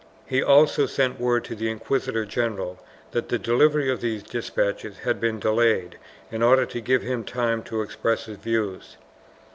He also sent word to the inquisitor general that the delivery of these despatches had been delayed in order to give him time to express his views.